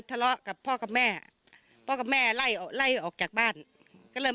ทะเลาะกับพ่อกับแม่พ่อกับแม่ไล่ออกไล่ออกจากบ้านก็เริ่ม